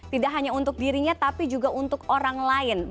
tidak hanya untuk dirinya tapi juga untuk orang lain